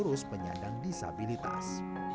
yang urus penyandang disabilitas